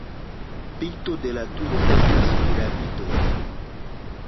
Pinto de la turoj estas piramidoj.